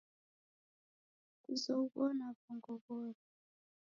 Kuzoghuo na w'ongo w'ori